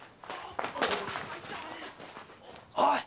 ・おい